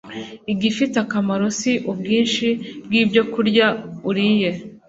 Igifite akamaro si ubwinshi bwibyokurya uriye